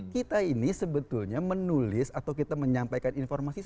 kita ini sebetulnya menulis atau kita menyampaikan informasi